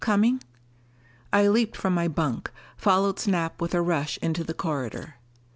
"Coming " I leaped from my bunk, followed Snap with a rush into the corridor.